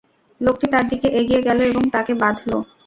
লোকটি তার দিকে এগিয়ে গেল এবং তাকে বাঁধল।